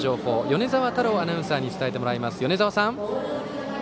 米澤太郎アナウンサーに伝えてもらいます。